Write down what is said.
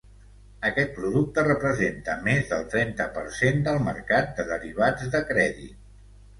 Aquest producte representa més del trenta per cent del mercat de derivats de crèdit.